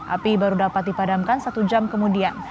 api baru dapat dipadamkan satu jam kemudian